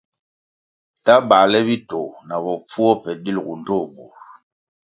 Ta bāle bitoh na bopfuo pe dilʼgu ndtoh bur.